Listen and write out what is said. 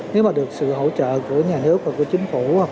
nếu mà được sự hỗ trợ của nhà nước và của chính phủ